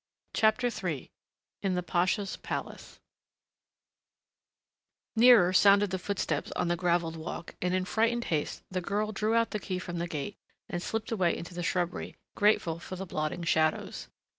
CHAPTER III IN THE PASHA'S PALACE Nearer sounded the footsteps on the graveled walk and in frightened haste the girl drew out the key from the gate and slipped away into the shrubbery, grateful for the blotting shadows.